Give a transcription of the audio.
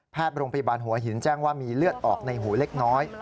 โรงพยาบาลหัวหินแจ้งว่ามีเลือดออกในหูเล็กน้อย